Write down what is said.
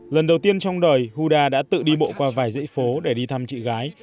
lần đầu tiên trong đời hoda đã tự đi bộ qua vài dãy phố để đi thăm chị gái